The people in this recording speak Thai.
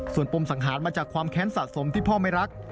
ส่วนปมสังหารมาจากความแค้นสะสมที่พ่อไม่รัก